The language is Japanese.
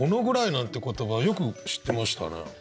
「仄暗い」なんて言葉よく知ってましたね。